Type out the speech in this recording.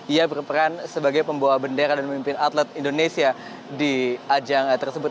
ia berperan sebagai pembawa bendera dan memimpin atlet indonesia di ajang tersebut